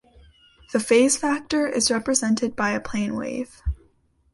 The phase factor is represented by a plane wave.